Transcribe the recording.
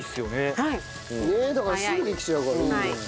だからすぐできちゃうからいい。